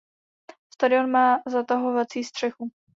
Stadion má zatahovací střechu.